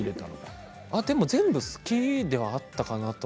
全部好きではあったかなと。